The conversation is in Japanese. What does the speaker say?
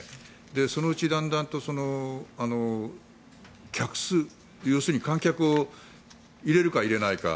そのうちだんだんと客数観客を入れるか入れないか。